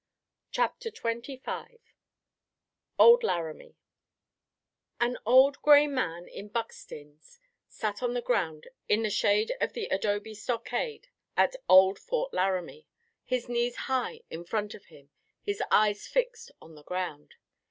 CHAPTER XXV OLD LARAMIE An old gray man in buckskins sat on the ground in the shade of the adobe stockade at old Fort Laramie, his knees high in front of him, his eyes fixed on the ground.